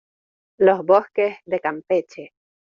los bosques de Campeche